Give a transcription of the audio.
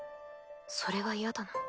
それは嫌だな。